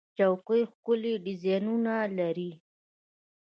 چوکۍ ښکلي ډیزاینونه لري.